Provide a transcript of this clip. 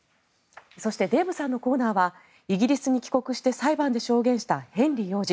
そしてデーブさんのコーナーはイギリスに帰国して裁判で証言したヘンリー王子。